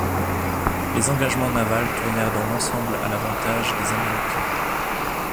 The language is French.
Les engagements navals tournèrent dans l'ensemble à l'avantage des Américains.